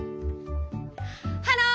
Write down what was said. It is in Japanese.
ハロー！